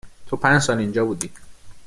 تو پنج سال اینجا بودی